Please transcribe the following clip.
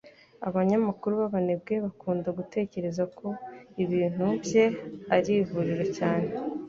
Abanyamakuru b'abanebwe bakunda gutekereza ko ibintu bye ari ivuriro cyane